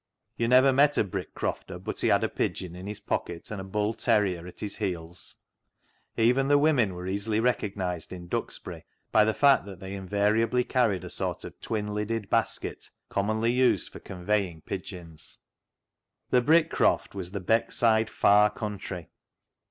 You never met a Brick crofter but he had a pigeon in his pocket and a bull terrier at his heels. Even the women were easily recognised in Duxbury by the fact that they invariably carried a sort of twin lidded basket, commonly used for conveying pigeons. The Brick croft was the Beckside " far country."